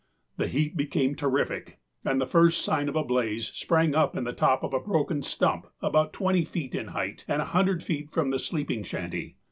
The heat became terrific and the first sign of a blaze sprang up in the top of a broken stump about twenty feet in height and a hundred feet from the sleeping shanty.